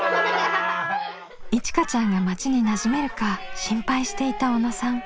いちかちゃんが町になじめるか心配していた小野さん。